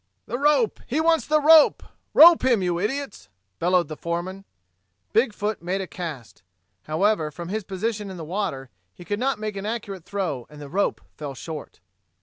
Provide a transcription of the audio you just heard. "The rope! He wants the rope! Rope him, you idiots!" bellowed the foreman. Big foot made a cast. However, from his position in the water, he could not make an accurate throw and the rope fell short.